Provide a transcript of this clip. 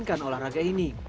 dan memainkan olahraga ini